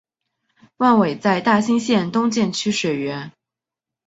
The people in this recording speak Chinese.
万炜在大兴县东建曲水园。